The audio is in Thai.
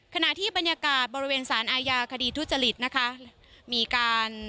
ขณะที่บรรยากาศบริเวณสารอาญาคดีทุจริตนะคะมีการ